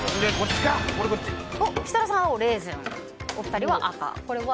設楽さん、レーズンお二人は赤。